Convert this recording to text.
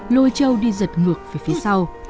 lôi trâu đi giật ngược về phía sau